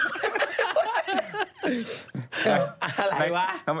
อะไรวะ